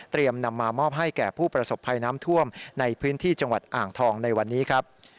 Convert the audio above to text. นำมามอบให้แก่ผู้ประสบภัยน้ำท่วมในพื้นที่จังหวัดอ่างทองในวันนี้ครับ